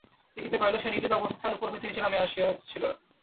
দেখিতে পাইল, সে নিদ্রিত অবস্থায় উপর হইতে নিচে নামিয়া আসিয়া ছিল।